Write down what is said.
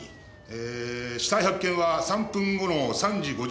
えー死体発見は３分後の３時５３分。